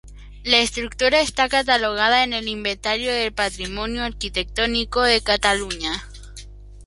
La estructura está catalogada en el Inventario del Patrimonio Arquitectónico de Cataluña.